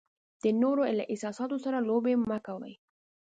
د نورو له احساساتو سره لوبې مه کوئ.